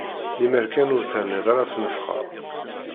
Lemmer kan ur terniḍ ara ttnefxa.